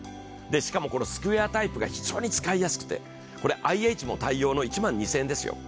しかも、スクエアタイプが非常に使いやすくて、ＩＨも対応の１万２０００円ですよ。